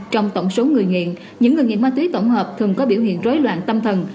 trong tổng số người nghiện những người nghiện ma túy tổng hợp thường có biểu hiện rối loạn tâm thần